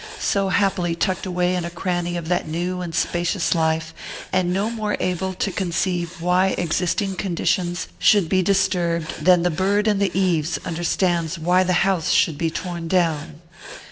so happily tucked away in a cranny of that new and spacious life, and no more able to conceive why existing conditions should be disturbed than the bird in the eaves understands why the house should be torn down.